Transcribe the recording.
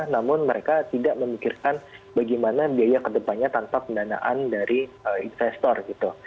namun mereka tidak memikirkan bagaimana biaya kedepannya tanpa pendanaan dari investor gitu